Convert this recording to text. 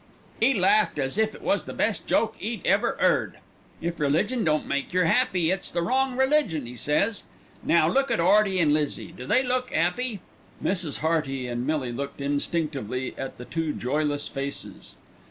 "'E laughed as if it was the best joke 'e'd ever 'eard. "'If religion don't make yer 'appy, it's the wrong religion,' 'e says. "Now look at 'Earty and Lizzie; do they look 'appy?" Mrs. Hearty and Millie looked instinctively at the two joyless faces.